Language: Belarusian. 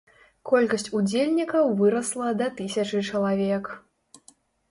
Колькасць удзельнікаў вырасла да тысячы чалавек.